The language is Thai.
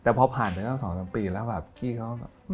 แต่พอผ่านไปตั้ง๒๓ปีแล้วแบบพี่เขาแบบ